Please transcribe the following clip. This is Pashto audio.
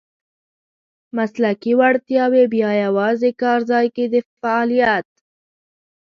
مسلکي وړتیاوې بیا یوازې کارځای کې د فعالیت .